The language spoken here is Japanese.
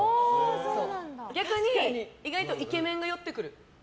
逆に、意外とイケメンが寄ってくる。